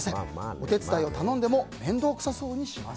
お手伝いを頼んでも面倒くさそうにします。